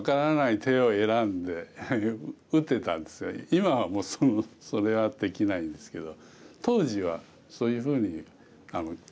今はもうそれはできないんですけど。